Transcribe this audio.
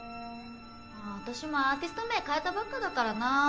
ああ私もアーティスト名変えたばっかだからな。